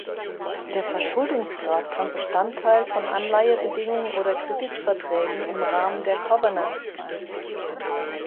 Der Verschuldungsgrad kann Bestandteil von Anleihebedingungen oder Kreditverträgen im Rahmen der Covenants sein.